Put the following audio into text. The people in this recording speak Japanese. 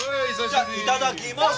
じゃいただきます！